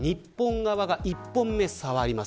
日本側が１本目、触ります。